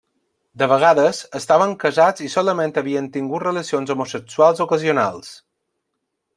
De vegades, estaven casats i solament havien tingut relacions homosexuals ocasionals.